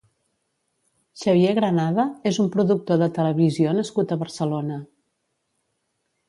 Xavier Granada és un productor de televisió nascut a Barcelona.